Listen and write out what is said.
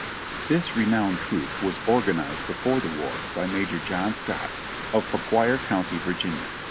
This renowned troop was organized before the war by Major John Scott, of Fauquier County, Virginia.